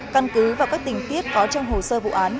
căn cứ vào các tình tiết có trong hồ sơ vụ án